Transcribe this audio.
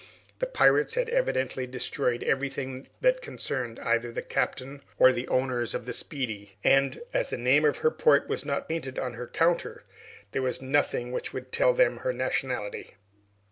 The pirates had evidently destroyed everything that concerned either the captain or the owners of the "Speedy," and, as the name of her port was not painted on her counter, there was nothing which would tell them her nationality.